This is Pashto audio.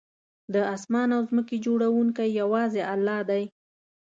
د آسمان او ځمکې جوړونکی یوازې الله دی